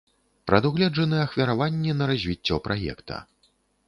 Прадугледжаны ахвяраванні на развіццё праекта.